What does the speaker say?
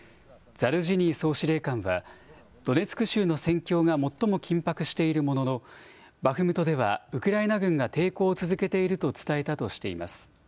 ザルジニー総司令官は、ドネツク州の戦況が最も緊迫しているものの、バフムトではウクライナ軍が抵抗を続けていると伝えたとしています。